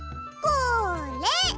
これ！